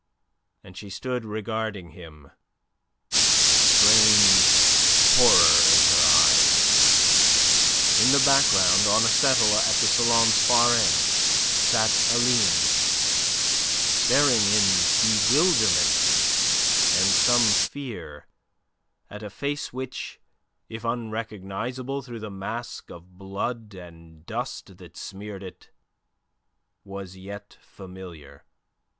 And she stood regarding him, a strange horror in her eyes. In the background, on a settle at the salon's far end, sat Aline staring in bewilderment and some fear at a face which, if unrecognizable through the mask of blood and dust that smeared it, was yet familiar.